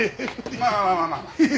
まあまあまあまあ。